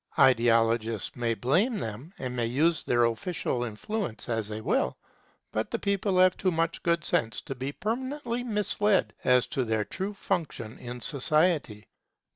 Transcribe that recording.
Ideologists may blame them, and may use their official influence as they will; but the people have too much good sense to be permanently misled as to their true function in society.